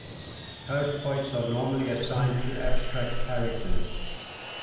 Code points are normally assigned to abstract characters.